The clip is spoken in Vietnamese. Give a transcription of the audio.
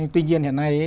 tuy nhiên hiện nay